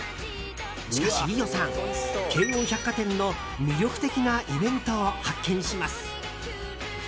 しかし飯尾さん、京王百貨店の魅力的なイベントを発見します。